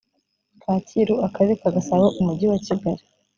kacyiru akarere ka gasabo umujyi wa kigali